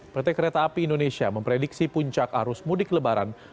pt kereta api indonesia memprediksi puncak arus mudik lebaran